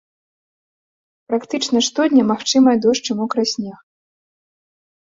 Практычна штодня магчымыя дождж і мокры снег.